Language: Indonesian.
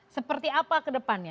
seperti apa ke depannya